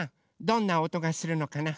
どんなおとがするのかな？